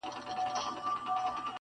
سړي خلګو ته ویله لاس مو خلاص دئ,